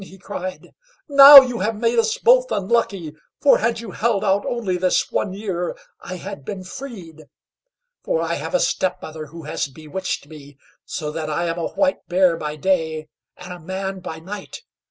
he cried; "now you have made us both unlucky, for had you held out only this one year, I had been freed. For I have a step mother who has bewitched me, so that I am a White Bear by day, and a Man by night.